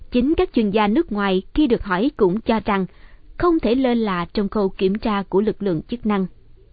chính các chuyên gia nước ngoài khi được hỏi cũng cho rằng không thể lơ lạ trong khâu kiểm tra của lực lượng chức năng